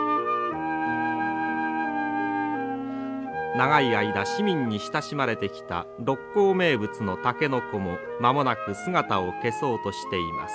長い間市民に親しまれてきた六甲名物のタケノコも間もなく姿を消そうとしています。